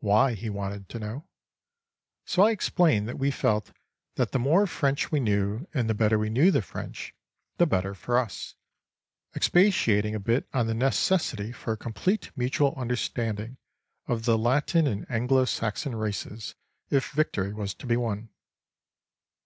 Why? he wanted to know. So I explained that we felt that the more French we knew and the better we knew the French the better for us; expatiating a bit on the necessity for a complete mutual understanding of the Latin and Anglo Saxon races if victory was to be won.